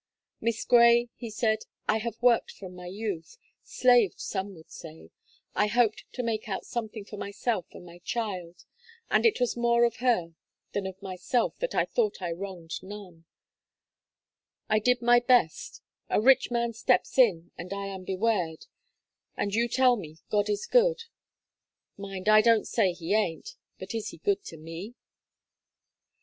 "Miss Gray," he said, "I have worked from my youth slaved some would say; I hoped to make out something for myself and my child, and it was more of her than of myself I thought I wronged none; I did my best; a rich man steps in, and I am bewared and you tell me God is good mind, I don't say he aint but is he good to me?"